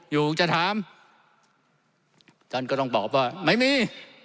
อยู่จะถามท่านก็ต้องตอบว่าไม่มี